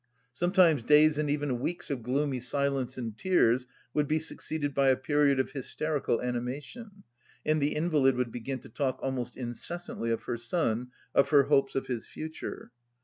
Sometimes days and even weeks of gloomy silence and tears would be succeeded by a period of hysterical animation, and the invalid would begin to talk almost incessantly of her son, of her hopes of his future....